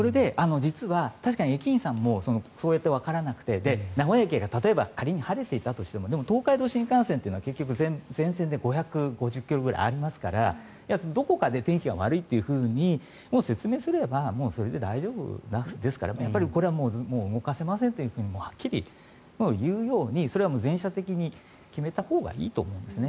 実は、確かに駅員さんもそうやってわからなくて名古屋駅が例えば晴れていたとしても東海道新幹線というのは結局全線で５５０ｋｍぐらいありますからどこかで天気が悪いっていうふうに説明すればもうそれで大丈夫ですからこれは動かせませんというふうにはっきり言うようにそれは全社的に決めたほうがいいと思うんですね。